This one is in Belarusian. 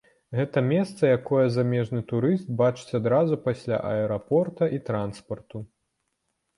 Гэта месца, якое замежны турыст бачыць адразу пасля аэрапорта і транспарту.